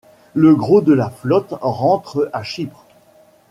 Le gros de la flotte rentre à Chypre.